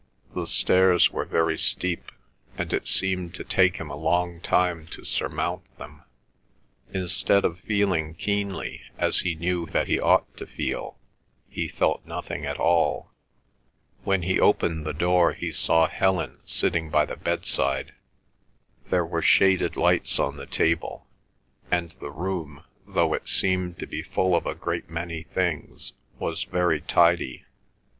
The stairs were very steep, and it seemed to take him a long time to surmount them. Instead of feeling keenly, as he knew that he ought to feel, he felt nothing at all. When he opened the door he saw Helen sitting by the bedside. There were shaded lights on the table, and the room, though it seemed to be full of a great many things, was very tidy.